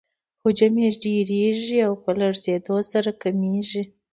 حجم یې ډیریږي او په لږیدو سره کمیږي.